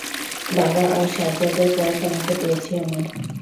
বাবা আর সাজ্জাদের পর তোমাকে পেয়েছি আমি।